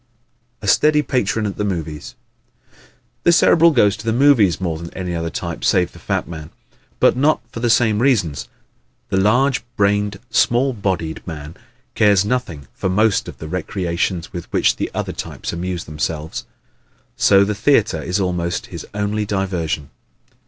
A Steady Patron at the Movies ¶ The Cerebral goes to the movies more than any other type save the fat man, but not for the same reasons. The large brained, small bodied man cares nothing for most of the recreations with which the other types amuse themselves, so the theater is almost his only diversion.